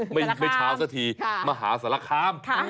ไม่เช้าสักทีมหาสารคาม